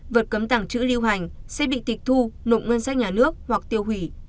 vật cấm tảng chữ lưu hành sẽ bị tịch thu nộp ngân sách nhà nước hoặc tiêu hủy